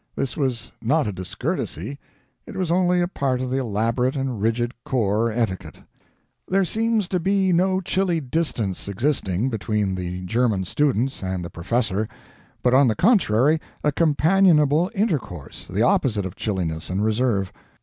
This was not a discourtesy; it was only a part of the elaborate and rigid corps etiquette. There seems to be no chilly distance existing between the German students and the professor; but, on the contrary, a companionable intercourse, the opposite of chilliness and reserve.